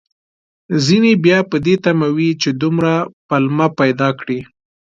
ځينې بيا په دې تمه وي، چې دومره پلمه پيدا کړي